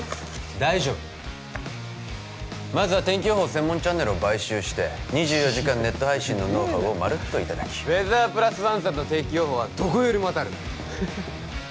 大丈夫まずは天気予報専門チャンネルを買収して２４時間ネット配信のノウハウをまるっといただきウェザープラスワンさんの天気予報はどこよりも当たるフフッ